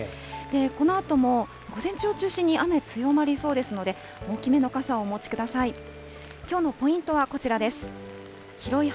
このあとも午前中を中心に、雨強まりそうですので、大きめの傘をお持ちください。